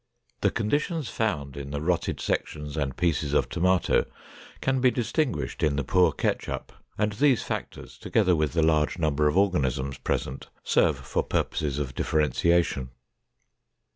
The conditions found in the rotted sections and pieces of tomato can be distinguished in the poor ketchup and these factors, together with the large number of organisms present, serve for purposes of differentiation.